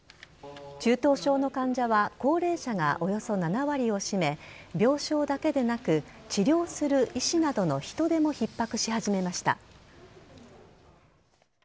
中等症の患者は高齢者がおよそ７割を占め、病床だけでなく、治療する医師などの人手もひっ迫し始めました。